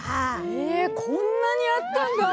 へえこんなにあったんだ。